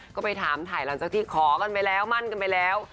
ก็ไปถามถ่ายหลังจากที่ขอกันไปแล้วมั่นกันไปแล้ว